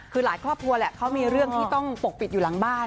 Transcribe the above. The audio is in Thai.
คือหลายครอบครัวแหละเขามีเรื่องที่ต้องปกปิดอยู่หลังบ้าน